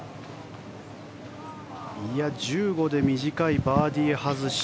１５で短いバーディー外し。